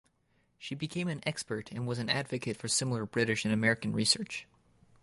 She became an expert and was an advocate for similar British and American research.